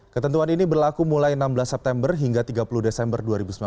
ketentuan ini berlaku mulai enam belas september hingga tiga puluh desember dua ribu sembilan belas